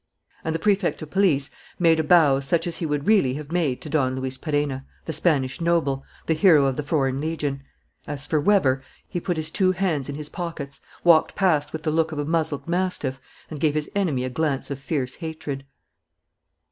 And the Prefect of Police made a bow such as he would really have made to Don Luis Perenna, the Spanish noble, the hero of the Foreign Legion. As for Weber, he put his two hands in his pockets, walked past with the look of a muzzled mastiff, and gave his enemy a glance of fierce hatred.